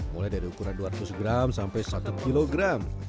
mulai dari ukuran dua ratus gram sampai satu kilogram